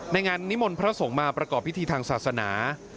งานนิมนต์พระสงฆ์มาประกอบพิธีทางศาสนา